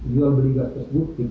jual beli gas tersebut titik